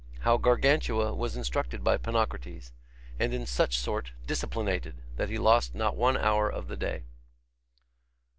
How Gargantua was instructed by Ponocrates, and in such sort disciplinated, that he lost not one hour of the day.